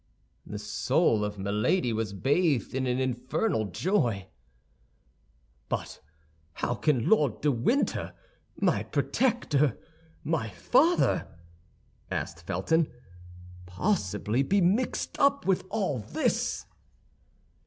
The soul of Milady was bathed in an infernal joy. "But how can Lord de Winter, my protector, my father," asked Felton, "possibly be mixed up with all this?"